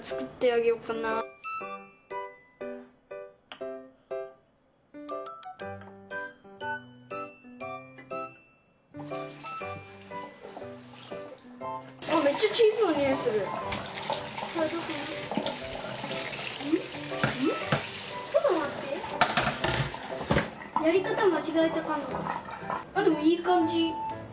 あっでもいい感じ。